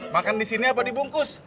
makan di sini apa dibungkus